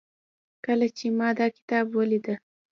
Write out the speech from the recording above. کله چې ما دا کتاب وليده